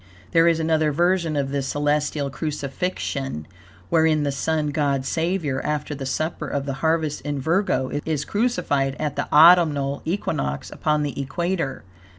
There is another version of this celestial crucifixion, wherein the Sun God Savior, after the supper of the harvest in Virgo, is crucified at the autumnal equinox upon the equator.